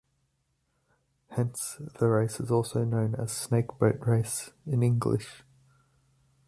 Hence the race is also known as Snake Boat Race in English.